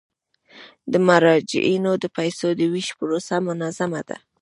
د مراجعینو د پيسو د ویش پروسه منظمه ده.